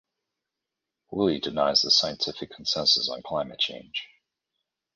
Wiehle denies the scientific consensus on climate change.